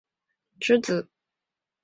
王震之子。